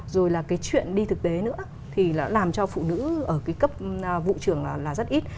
rồi là cái chuyện đi thực tế nữa thì nó làm cho phụ nữ ở cái cấp vụ trưởng là rất ít